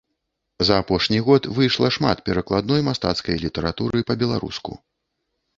За апошні год выйшла шмат перакладной мастацкай літаратуры па-беларуску.